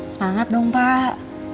semangat dong pak